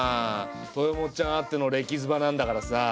豊本ちゃんあってのレキズバなんだからさ。